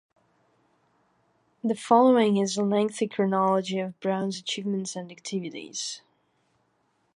The following is a lengthy chronology of Brown's achievements and activities.